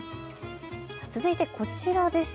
続いてこちらです。